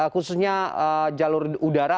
khususnya jalur udara